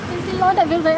em xin lỗi tại vì em quên